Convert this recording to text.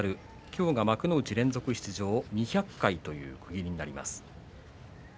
今日が幕内連続出場２００回という区切りになります。